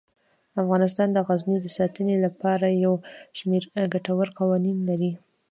افغانستان د غزني د ساتنې لپاره یو شمیر ګټور قوانین لري.